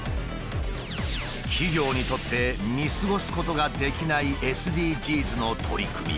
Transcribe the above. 企業にとって見過ごすことができないＳＤＧｓの取り組み。